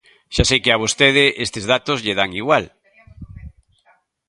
Xa sei que a vostede estes datos lle dan igual.